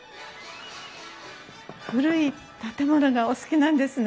古い建物がお好きなんですね？